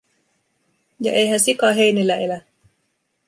Ja eihän sika heinillä elä.